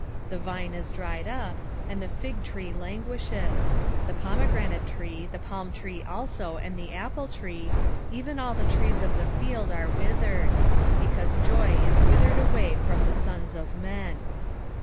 1:12 The vine is dried up, and the fig tree languisheth; the pomegranate tree, the palm tree also, and the apple tree, even all the trees of the field, are withered: because joy is withered away from the sons of men.